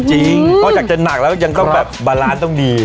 นอกจากจะหนักแล้วยังต้องแบบบาลานซ์ต้องดี